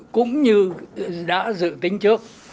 cũng như đã dự tính trước